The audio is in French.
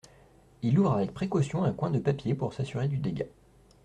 Il ouvre avec précaution un coin de papier pour s’assurer du dégât.